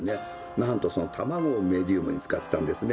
なんとその卵をメディウムに使ったんですね。